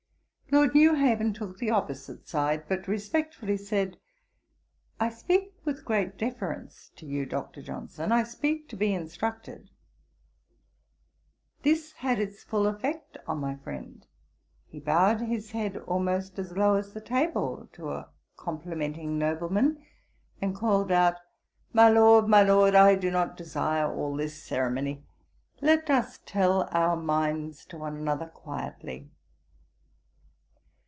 Lord Newhaven took the opposite side; but respectfully said, 'I speak with great deference to you, Dr. Johnson; I speak to be instructed.' This had its full effect on my friend. He bowed his head almost as low as the table, to a complimenting nobleman; and called out, 'My Lord, my Lord, I do not desire all this ceremony; let us tell our minds to one another quietly.'